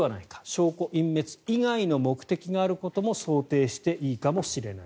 証拠隠滅以外の目的があることも想定していいかもしれない。